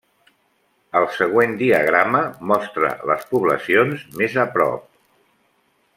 El següent diagrama mostra les poblacions més prop.